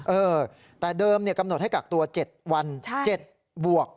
เออแต่เดิมกำหนดให้กักตัว๗วัน๗บวก